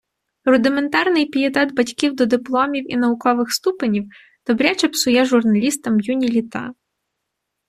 Рудиментарний пієтет батьків до дипломів і наукових ступенів добряче псує журналістам юні літа.